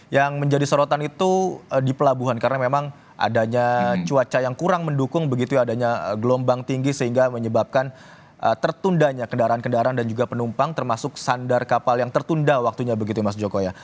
yang menjadi sorotan itu di pelabuhan karena memang adanya cuaca yang kurang mendukung begitu ya adanya gelombang tinggi sehingga menyebabkan tertundanya kendaraan kendaraan dan juga penumpang termasuk sandar kapal yang tertunda waktunya begitu mas joko ya